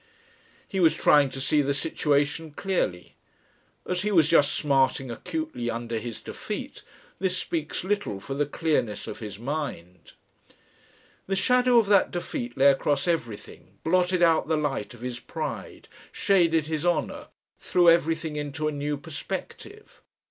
He was trying to see the situation clearly. As he was just smarting acutely under his defeat, this speaks little for the clearness of his mind. The shadow of that defeat lay across everything, blotted out the light of his pride, shaded his honour, threw everything into a new perspective.